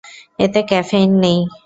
এতে ক্যাফেইন নেই।